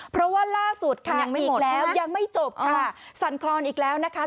เพราะว่าล่าสุดค่ะอีกแล้วยังไม่จบค่ะสั่นคลอนอีกแล้วนะคะ